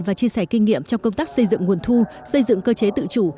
và chia sẻ kinh nghiệm trong công tác xây dựng nguồn thu xây dựng cơ chế tự chủ